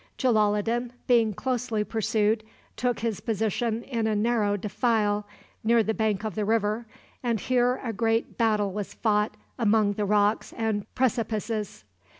Jalaloddin, being closely pursued, took his position in a narrow defile near the bank of the river, and here a great battle was fought among the rocks and precipices.